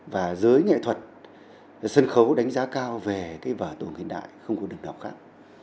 và dưới nghệ thuật sân khấu đánh giá cao về cái vở tuồng hiện đại không còn đường nào khác